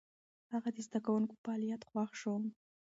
هغه د زده کوونکو په فعاليت خوښ شو.